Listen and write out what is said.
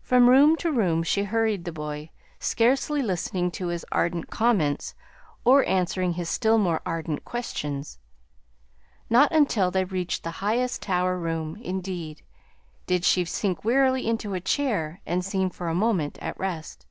From room to room she hurried the boy, scarcely listening to his ardent comments, or answering his still more ardent questions. Not until they reached the highest tower room, indeed, did she sink wearily into a chair, and seem for a moment at rest.